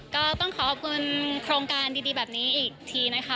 ก็ต้องขอขอบคุณโครงการดีแบบนี้อีกทีนะคะ